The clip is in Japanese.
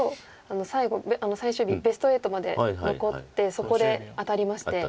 最後最終日ベスト８まで残ってそこで当たりまして。